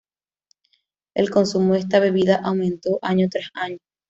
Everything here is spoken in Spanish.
El consumo de esta bebida aumentó año tras año.